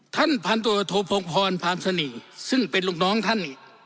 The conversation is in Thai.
ท่านพันธุโธภงพรพราสนีซึ่งเป็นลูกน้องท่าน